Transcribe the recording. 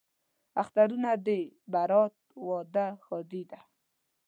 اخترونه دي برات، واده، ښادي ده